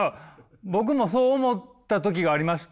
僕もそう思った時がありました。